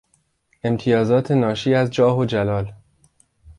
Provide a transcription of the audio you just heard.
امتیازات ناشی از جاه و جلال